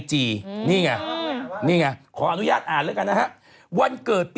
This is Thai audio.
จากธนาคารกรุงเทพฯ